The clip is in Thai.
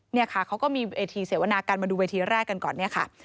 เนี่ยค่ะเขาก็มีเวทีเสวนากันมาดูเวทีแรกกันก่อนเนี่ยค่ะ